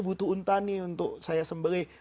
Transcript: butuh unta nih untuk saya sembeli